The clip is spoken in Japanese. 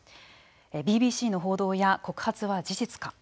ＢＢＣの報道や告発は事実か。